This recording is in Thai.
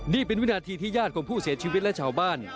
นี่เป็นวินาทีที่ญาติของผู้เสียชีวิตและชาวบ้าน